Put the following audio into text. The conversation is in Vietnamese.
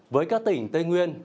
với các tỉnh tây nguyên